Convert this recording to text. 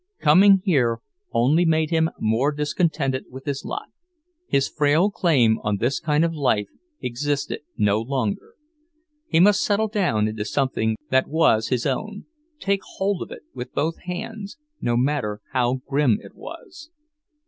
Coming here only made him more discontented with his lot; his frail claim on this kind of life existed no longer. He must settle down into something that was his own, take hold of it with both hands, no matter how grim it was.